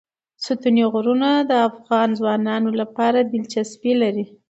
ستوني غرونه د افغان ځوانانو لپاره دلچسپي لري.